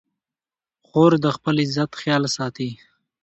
خور د خپل عزت خیال ساتي.